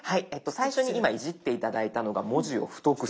最初今いじって頂いたのが「文字を太くする」です。